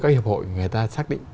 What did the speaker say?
các hiệp hội người ta xác định